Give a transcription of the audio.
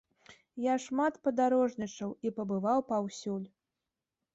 Я шмат падарожнічаў і пабываў паўсюль.